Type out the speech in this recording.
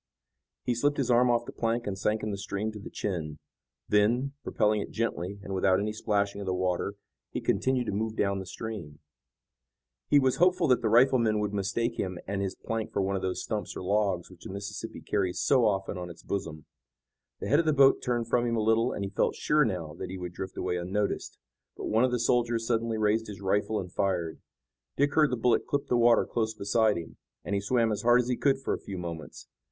He slipped his arm off the plank and sank in the stream to the chin. Then, propelling it gently and without any splashing of the water, he continued to move down the stream. He was hopeful that the riflemen would mistake him and his plank for one of those stumps or logs which the Mississippi carries so often on its bosom. The head of the boat turned from him a little, and he felt sure now that he would drift away unnoticed, but one of the soldiers suddenly raised his rifle and fired. Dick heard the bullet clip the water close beside him, and he swam as hard as he could for a few moments.